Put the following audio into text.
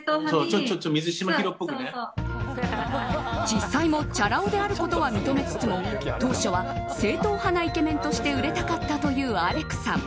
実際もチャラ男であることは認めつつも当初は正統派なイケメンとして売れたかったというアレクさん。